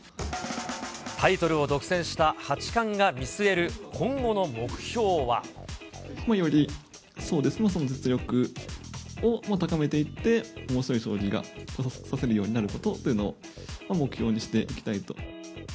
タイトルを独占した八冠が見据える今後の目標は。より実力を高めていって、おもしろい将棋が指せるようになることを目標にしていきたいと。